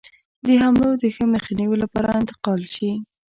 د حملو د ښه مخنیوي لپاره انتقال شي.